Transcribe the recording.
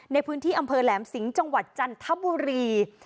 ในพื้นที่อำเภอแหลมสิงห์จังหวัดจันทบุรี